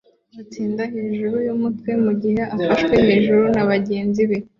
watsinze hejuru yumutwe mugihe afashwe hejuru na bagenzi be